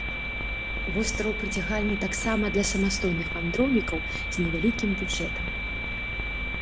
Востраў прыцягальны таксама для самастойных вандроўнікаў з невялікім бюджэтам.